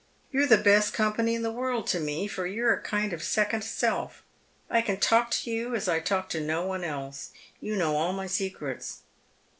" You're the best company in the world to me, for you're a kind of second self. I can talk to you as I can talk to no one else. You know all my secrets."